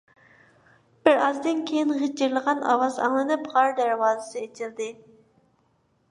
بىرئازدىن كېيىن غىچىرلىغان ئاۋاز ئاڭلىنىپ، غار دەرۋازىسى ئېچىلدى.